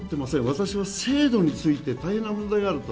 私は制度について大変な問題があると。